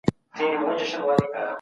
سندرې د ټولنیزې راشه درشې برخه ده.